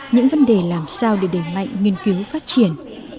những vấn đề làm sao để đẩy mạnh nghiên cứu phát triển